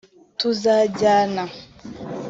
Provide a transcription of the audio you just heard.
Tuzajyana